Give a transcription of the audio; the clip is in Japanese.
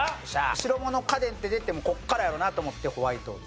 「白物家電」って出てここからやろうなと思ってホワイトデーって。